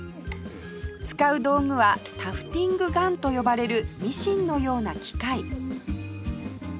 使う道具はタフティングガンと呼ばれるミシンのような機械